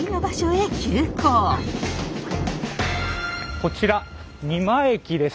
こちら仁万駅です。